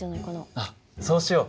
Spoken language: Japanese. あっそうしよう。